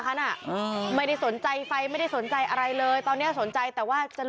คลิปนี้เลยฮะ